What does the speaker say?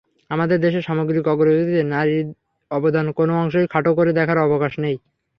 আমাদের দেশের সামগ্রিক অগ্রগতিতে নারীর অবদান কোনো অংশেই খাটো করে দেখার অবকাশ নেই।